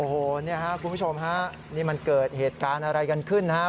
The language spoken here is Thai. โอ้โหเนี่ยครับคุณผู้ชมฮะนี่มันเกิดเหตุการณ์อะไรกันขึ้นนะครับ